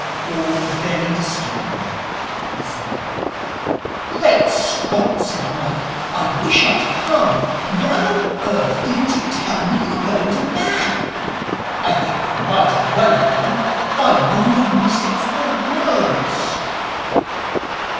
'All very disturbing,' he said. 'Great Scott,' said Mike, 'I wish I'd come. Why on earth didn't you tell me you were going to rag? I think you might as well have done. I wouldn't have missed it for worlds.'